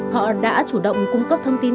họ đã chủ động cung cấp thông tin